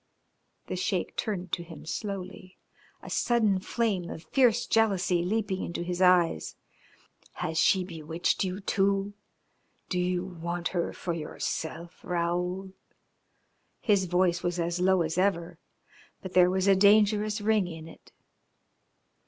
The Sheik turned to him slowly, a sudden flame of fierce jealousy leaping into his eyes. "Has she bewitched you, too? Do you want her for yourself, Raoul?" His voice was as low as ever, but there was a dangerous ring in it.